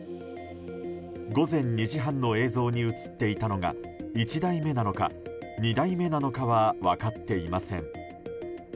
午前２時半の映像に映っていたのが１台目なのか２台目なのかは分かっていません。